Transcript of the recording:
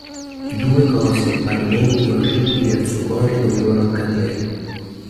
Due cose parimenti orribili al suo cuore dovevano accadere.